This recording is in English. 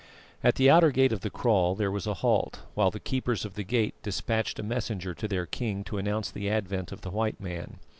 At the outer gate of the kraal there was a halt, while the keepers of the gate despatched a messenger to their king to announce the advent of the white man.